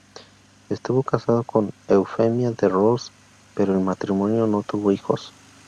Estuvo casado con Eufemia de Ross, pero el matrimonio no tuvo hijos.